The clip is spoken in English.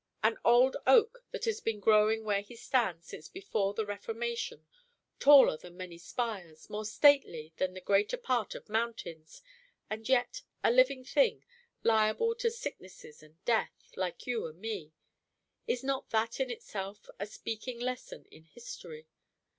An old oak that has been growing where he stands since before the Reformation, taller than many spires, more stately than the greater part of mountains, and yet a living thing, liable to sicknesses and death, like you and me: is not that in itself a speaking lesson in history?